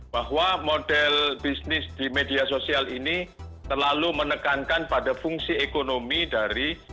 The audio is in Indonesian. bahwa model bisnis di media sosial ini terlalu menekankan pada fungsi ekonomi dari